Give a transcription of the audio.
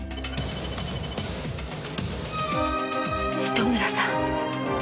糸村さん！